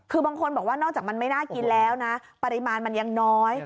คือบางคนบอกว่านอกจากมันไม่น่ากินแล้วนะปริมาณมันยังน้อย